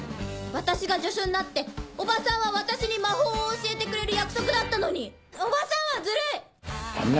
私が助手になっておばさんは私に魔法を教えてくれる約束だったのにおばさんはずるい！